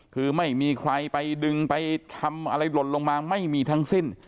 คือไม่มีใครไปดึงไปทำอะไรหล่นลงมาไม่มีทั้งสิ้น